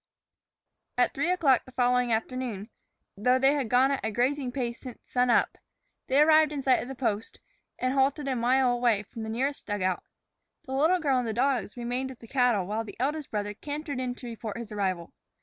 At three o'clock the following afternoon, though they had gone at a grazing pace since sun up, they arrived in sight of the post and halted a mile away from the nearest dugout. The little girl and the dogs remained with the cattle while the eldest brother cantered in to report his arrival.